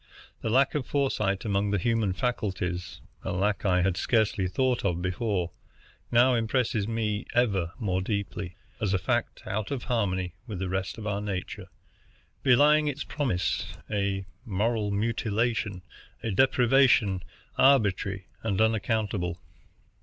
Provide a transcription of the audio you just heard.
The lack of foresight among the human faculties, a lack I had scarcely thought of before, now impresses me, ever more deeply, as a fact out of harmony with the rest of our nature, belying its promise, a moral mutilation, a deprivation arbitrary and unaccountable.